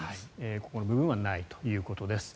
ここの部分はないということです。